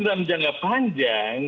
dalam jangka panjang